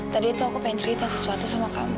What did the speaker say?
tadi itu aku pengen cerita sesuatu sama kamu